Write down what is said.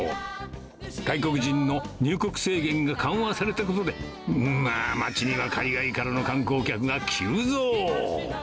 外国人の入国制限が緩和されたことで、街には海外からの観光客が急増。